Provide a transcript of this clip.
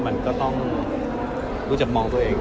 มันก็ต้องรู้จักมองตัวเอง